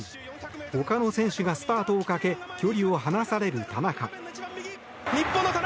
ほかの選手がスパートをかけ距離を離される田中。